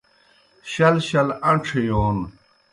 شل شل اݩڇھہ یون